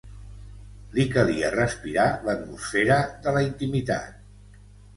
Li calia respirar l'atmosfera de la intimitat.